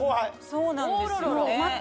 そうなんですよ。